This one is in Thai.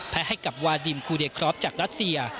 ให้กับวาดิมคูเดครอฟจากรัสเซีย